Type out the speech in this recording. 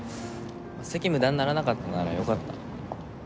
席無駄にならなかったならよかった。